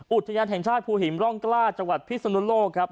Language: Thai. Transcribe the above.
อุทยานแห่งชาติภูหินร่องกล้าจังหวัดพิศนุโลกครับ